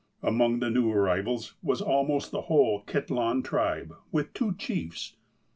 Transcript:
Among the new arrivals was almost the whole Kitlahn tribe, with two chiefs.